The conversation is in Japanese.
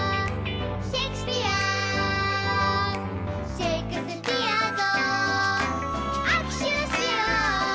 「シェイクスピアと握手をしよう」